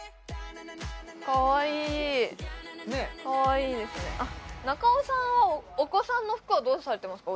かわいいかわいいですねねえ中尾さんはお子さんの服はどうされてますか？